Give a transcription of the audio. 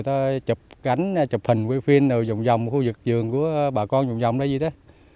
ta chụp ảnh chụp hình quay phim dùng dòng khu vực vườn của bà con dùng dòng là gì đó